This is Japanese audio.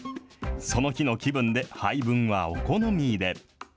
その日の気分で、配分はお好みで。